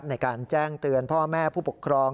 ในการแจ้งเตือนพ่อแม่ผู้ปกครอง